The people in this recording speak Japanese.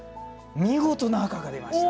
見事な赤が出ました。